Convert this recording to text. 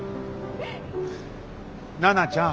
奈々ちゃん。